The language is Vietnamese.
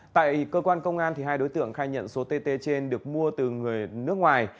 tại cơ quan công an hai đối tượng khai nhận số tt trên được mua từ người nước ngoài